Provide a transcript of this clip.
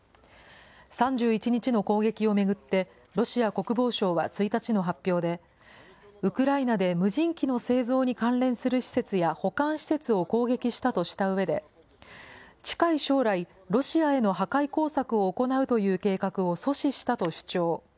３１日の攻撃を巡って、ロシア国防省は１日の発表で、ウクライナで無人機の製造に関連する施設や保管施設を攻撃したとしたうえで、近い将来、ロシアへの破壊工作を行うという計画を阻止したと主張。